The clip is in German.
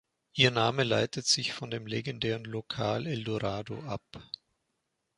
Ihr Name leitete sich vom legendären Lokal "Eldorado" ab.